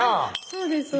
そうです